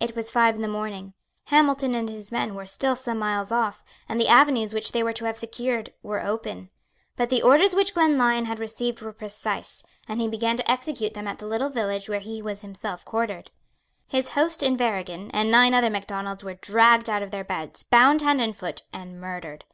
It was five in the morning. Hamilton and his men were still some miles off; and the avenues which they were to have secured were open. But the orders which Glenlyon had received were precise; and he began to execute them at the little village where he was himself quartered. His host Inverriggen and nine other Macdonalds were dragged out of their beds, bound hand and foot, and murdered.